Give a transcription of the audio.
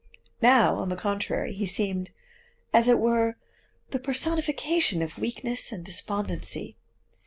Now, on the contrary, he seemed, as it were, the personification of weakness and despondency.